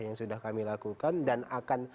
yang sudah kami lakukan dan akan